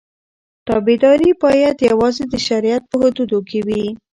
تابعداري باید یوازې د شریعت په حدودو کې وي.